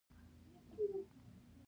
يو ډنګر سړی پر څادر کېناست.